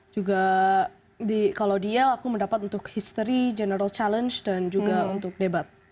juga kalau diel aku mendapat untuk history general challenge dan juga untuk debat